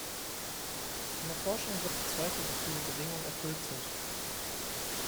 In der Forschung wird bezweifelt, dass diese Bedingungen erfüllt sind.